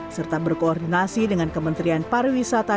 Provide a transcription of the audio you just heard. serta berkoordinasi dengan kementerian pariwisata